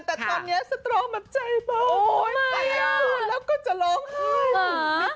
แต่ตอนนี้สตรองมันใจเบาพูดแล้วก็จะร้องไห้